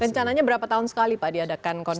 rencananya berapa tahun sekali pak diadakan